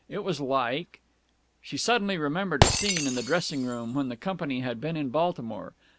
It was like.... She suddenly remembered a scene in the dressing room when the company had been in Baltimore.